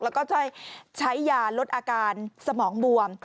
แล้วก็จะใช้ยาลดอาการสมองบวม